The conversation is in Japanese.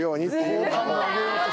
好感度上げようとして。